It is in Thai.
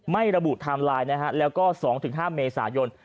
ไม่ระบุไทม์ไลน์นะฮะแล้วก็๒๕เมษายน